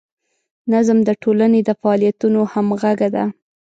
نظم د ټولنې د فعالیتونو همغږي ده.